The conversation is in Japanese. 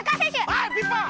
はいピンポン。